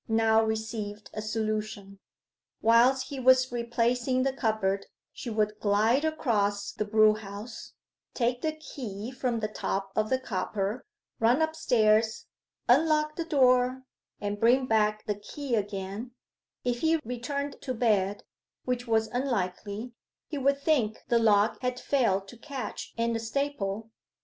now received a solution. Whilst he was replacing the cupboard, she would glide across the brewhouse, take the key from the top of the copper, run upstairs, unlock the door, and bring back the key again: if he returned to bed, which was unlikely, he would think the lock had failed to catch in the staple.